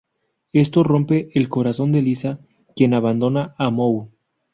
Esto rompe el corazón de Lisa, quien abandona a Moe.